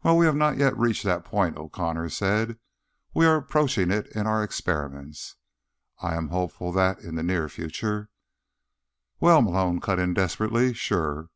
"While we have not yet reached that point," O'Connor said, "we are approaching it in our experiments. I am hopeful that, in the near future—" "Well," Malone cut in desperately, "sure.